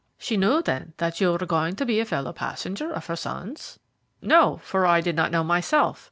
"She knew, then, that you were going to be a fellow passenger of her son's?" "No, for I did not know myself.